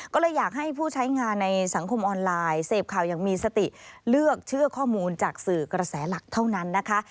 ก็เลยอยากให้ผู้ใช้งานในสังคมออนไลน์เสพข่าวอย่างมีสติเลือกเชื่อข้อมูลจากสื่อกระแสหลักเท่านั้นนะคะ